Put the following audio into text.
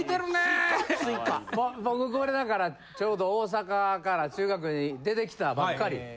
・スイカスイカ・僕これだからちょうど大阪から中学に出てきたばっかり。